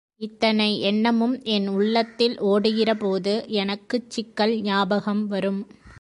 இத்தனை எண்ணமும் என் உள்ளத்தில் ஓடுகிறபோது, எனக்குச் சிக்கல் ஞாபகம் வரும்.